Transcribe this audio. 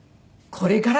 これから。